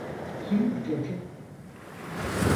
Kim bu çocuk?